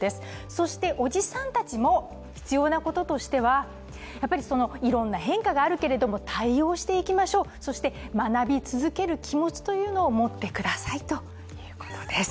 そしておじさんたちも必要なこととしてはいろんな変化があるけれども、対応していきましょう、そして学び続ける気持ちを持ってくださいということです。